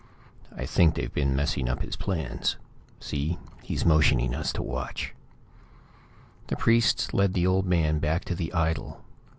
"I think they've been messing up his plans. See; he's motioning us to watch." The priests led the old man back to the idol.